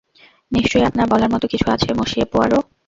নিশ্চয়ই আপনার বলার মতো কিছু আছে, মসিয়ে পোয়ারো।